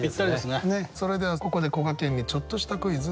それではここでこがけんにちょっとしたクイズ。